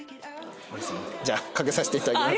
じゃあかけさせていただきます。